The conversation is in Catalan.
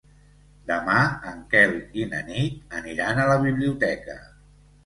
Demà en Quel i na Nit aniran a la biblioteca.